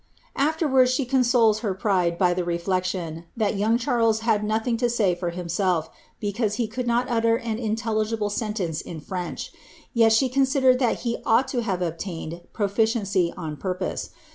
Afterwards she consoles her pride \if the reflection, that young Charles had nothing to say for himself, be cause he could not utter an intelligible sentence in French; yet shi considered that he ought to have obtained proficiency on purpose.